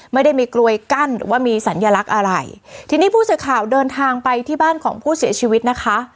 ไม่ได้มีกลวยกั้นหรือว่ามีสัญลักษณ์อะไรทีนี้ผู้สื่อข่าวเดินทางไปที่บ้านของผู้เสียชีวิตนะคะ